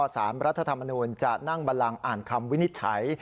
สารรัฐธรรมนูญจะนั่งบันลังอ่านคำวินิจฉัย